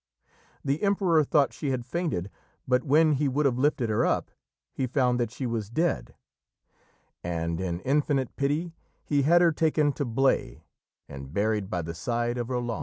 The Emperor thought she had fainted, but when he would have lifted her up, he found that she was dead, and, in infinite pity, he had her taken to Blaye and buried by the side of Roland.